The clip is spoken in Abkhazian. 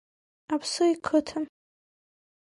Аԥсы иқыҭа.